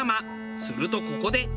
するとここで。